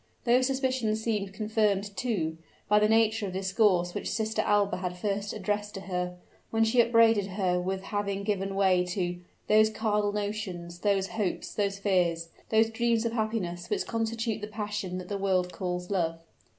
Those suspicions seemed confirmed, too, by the nature of the discourse which Sister Alba had first addressed to her, when she upbraided her with having given way to "those carnal notions those hopes those fears those dreams of happiness, which constitute the passion that the world calls love."